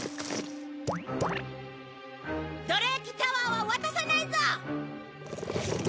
どら焼きタワーは渡さないぞ！